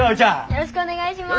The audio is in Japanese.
よろしくお願いします。